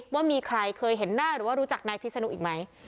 ว่ามีใครเคยเห็นหน้าหรือว่ารู้จักนายพิศนุอีกไหม